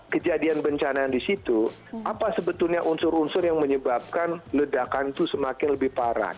kejadian bencana yang di situ apa sebetulnya unsur unsur yang menyebabkan ledakan itu semakin lebih parah